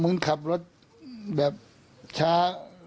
มึงขับรถแบบช้า